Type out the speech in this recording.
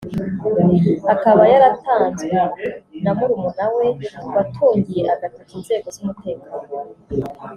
akaba yaratanzwe na murumuna we watungiye agatoki inzego z’umutekano